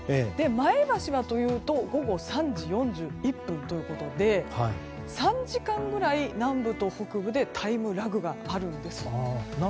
前橋は午後３時４１分ということで３時間ぐらい南部と北部でタイムラグがあるんです。